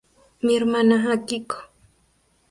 Mi hermana Akiko.